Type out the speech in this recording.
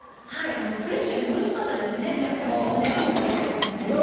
はい、フレッシュでおいしかったですね、やっぱり自分で作るレモンも入れるんですね。